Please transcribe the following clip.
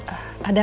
ada apa ya